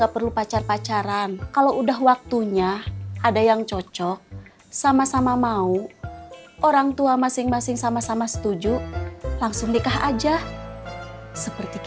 mudah mudahan aisyah bisa jaga diri sendiri